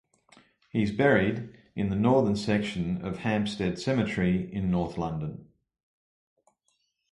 He is buried in the northern section of Hampstead Cemetery in north London.